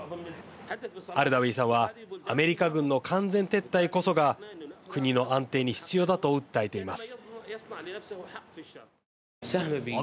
アルダウィさんはアメリカ軍の完全撤退こそが国の安定に必要だと訴えています。